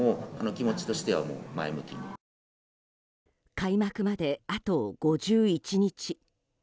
開幕まであと５１日。